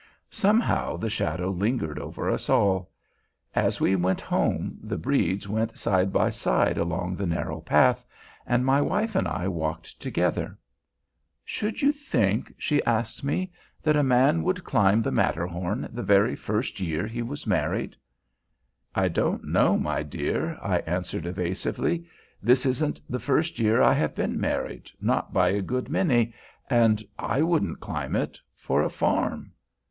Somehow, the shadow lingered over us all. As we went home, the Bredes went side by side along the narrow path, and my wife and I walked together. "Should you think," she asked me, "that a man would climb the Matterhorn the very first year he was married?" "I don't know, my dear," I answered, evasively; "this isn't the first year I have been married, not by a good many, and I wouldn't climb it—for a farm."